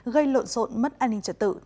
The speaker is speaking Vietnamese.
gây lộn xộn mất an ninh trật tự